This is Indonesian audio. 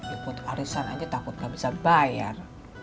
ya buat arisan aja takut gak bisa bayar